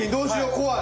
怖い！